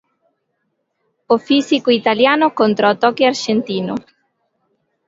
O físico italiano contra o toque arxentino.